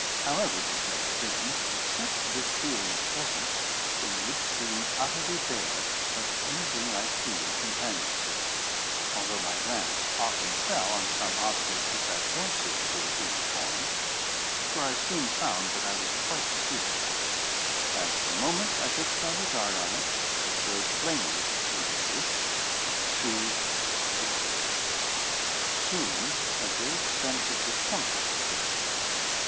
However this may have been, except for this feeling of presence, the woods seemed utterly bare of anything like human companionship, although my glance often fell on some object which I fancied to be a human form; for I soon found that I was quite deceived; as, the moment I fixed my regard on it, it showed plainly that it was a bush, or a tree, or a rock. Soon a vague sense of discomfort possessed me.